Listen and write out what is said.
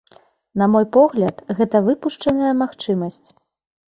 На мой погляд, гэта выпушчаная магчымасць.